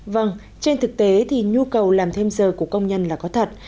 vâng trên thực tế thì nhu cầu làm thêm giờ của công nhân là có thật